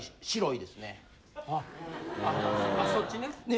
あそっちね？